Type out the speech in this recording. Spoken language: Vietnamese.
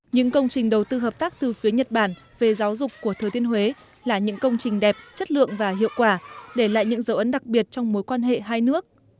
những công trình đầu tư hợp tác từ phía nhật bản về giáo dục của thừa thiên huế là những công trình đẹp chất lượng và hiệu quả để lại những dấu ấn đặc biệt trong mối quan hệ hai nước